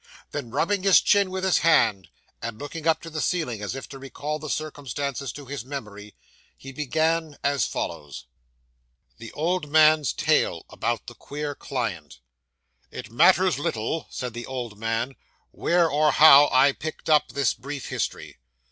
Then rubbing his chin with his hand, and looking up to the ceiling as if to recall the circumstances to his memory, he began as follows: THE OLD MAN'S TALE ABOUT THE QUEER CLIENT 'It matters little,' said the old man, 'where, or how, I picked up this brief history.